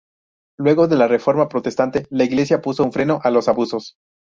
Luego de la Reforma Protestante, la Iglesia puso un freno a los abusos.